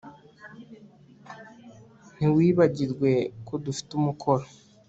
Ntiwibagirwe ko dufite umukoro